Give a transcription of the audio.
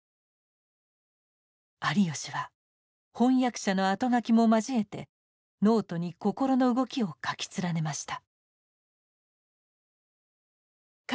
有吉は翻訳者の後書きも交えてノートに心の動きを書き連ねました。